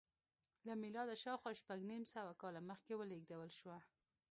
له میلاده شاوخوا شپږ نیم سوه کاله مخکې ولېږدول شوه